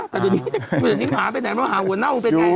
แต่ตอนนี้หมาไปไหนต้องหาหัวเน่าเป็นไง